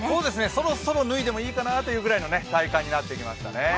そろそろ脱いでもいいかなというくらいの体感になってきましたね。